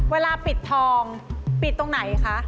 เวลาปิดทองปิดตรงไหนคะ